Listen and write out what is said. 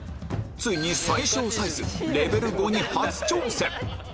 ついに最小サイズレベル５に初挑戦